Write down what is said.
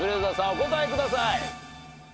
お答えください。